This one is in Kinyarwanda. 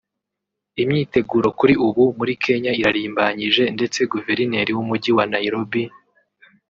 Imyiteguro kuri ubu muri Kenya irarimbanyije ndetse Guverineri w’Umujyi wa Nairobi